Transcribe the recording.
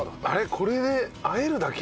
これで和えるだけ？